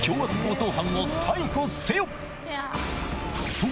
そう！